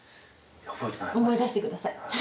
思い出してください。